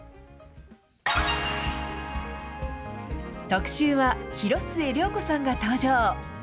特集は、広末涼子さんが登場。